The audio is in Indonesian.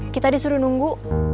kita disuruh nunggu